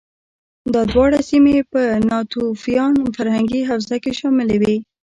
دا دواړه سیمې په ناتوفیان فرهنګي حوزه کې شاملې وې